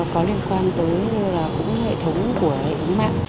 có liên quan tới hệ thống của hệ thống mạng